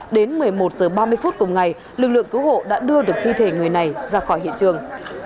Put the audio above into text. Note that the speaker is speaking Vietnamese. đến một mươi một h ba mươi phút cùng ngày lực lượng cứu hộ đã đưa được thi thể người này ra khỏi hiện trường